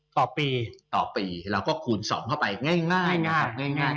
ต่อปีต่อปีเราก็คูณส่อมเข้าไปง่าย